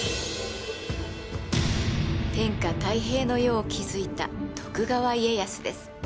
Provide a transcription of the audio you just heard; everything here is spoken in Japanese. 天下太平の世を築いた徳川家康です。